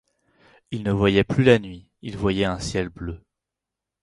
Il ne voyait plus la nuit, il voyait un ciel bleu.